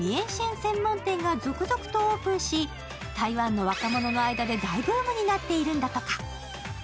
専門店が続々とオープンし、台湾の若者の間で大ブームになっているんだとか。